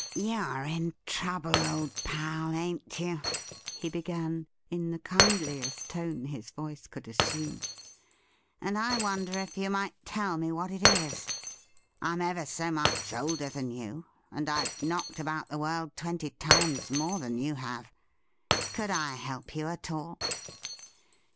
' You're in trouble, old pal, ain't you ?' he began, in the kindliest tone his voice could assume ;' and I wonder if you might tell me what it is. I'm ever so much older than you, and I've knocked about the world twenty times more than you have. Could I help you at all